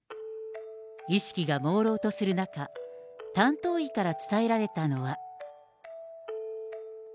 意識がもうろうとする中、担当医から伝えられたのは。